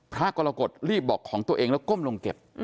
พระกรกฎรีบบอกของตัวเองแล้วก้มลงเก็บ